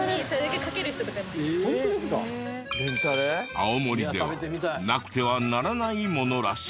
青森ではなくてはならないものらしい。